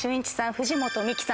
藤本美貴さん